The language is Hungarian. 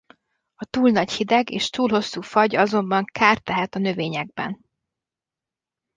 A túl nagy hideg és túl hosszú fagy azonban kárt tehet a növényekben.